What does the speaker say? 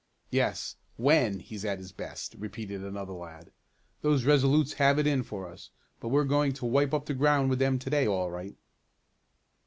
"Yes when he's at his best," repeated another lad. "Those Resolutes have it in for us, but we're going to wipe up the ground with them to day all right."